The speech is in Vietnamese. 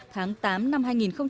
tháng tám năm hai nghìn một mươi sáu